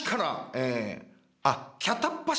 え